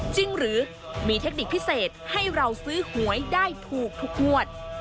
จริงหรือมีเทคนิคพิเศษให้เราซื้อหวยได้ถูกทุกงวด